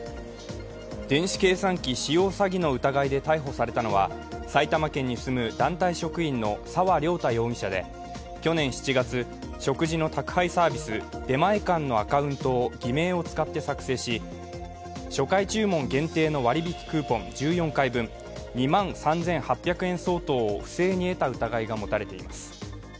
電子計算機使用詐欺の疑いで逮捕されたのは埼玉県に住む団体職員の沢涼太容疑者で去年７月、食事の宅配サービス、出前館のアカウントを偽名を使って作成し初回注文限定の割引クーポン１４回分２万３８００円相当を不正に得た疑いが持たれています。